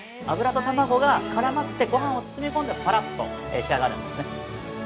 油と卵が絡まってごはんを包み込んで、パラッっと仕上がるんですね。